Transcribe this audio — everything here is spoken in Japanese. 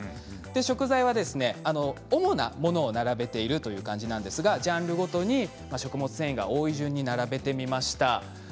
食材は主なものを並べているという感じなんですがジャンルごとに食物繊維が多い順に並べてみました。